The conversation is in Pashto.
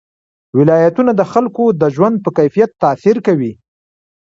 ولایتونه د خلکو د ژوند په کیفیت تاثیر کوي.